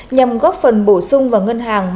nhằm góp phần bổ sung